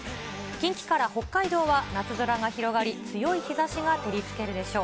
近畿から北海道は夏空が広がり、強い日ざしが照りつけるでしょう。